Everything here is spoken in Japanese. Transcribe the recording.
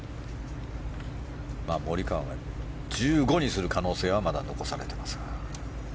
モリカワが１５にする可能性はまだ残されていますが。